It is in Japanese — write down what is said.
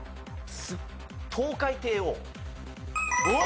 トウカイテイオー。